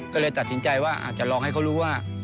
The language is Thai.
ก็เลยตัดสินใจว่าอาจจะลองให้เขารู้ว่า